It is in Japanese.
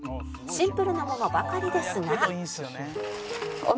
シンプルなものばかりですが